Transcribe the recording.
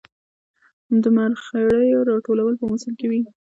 د مرخیړیو راټولول په موسم کې وي